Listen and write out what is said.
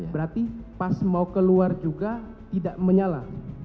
berarti pas mau keluar juga tidak menyala